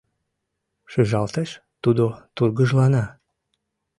Шижалтеш, тудо тургыжлана.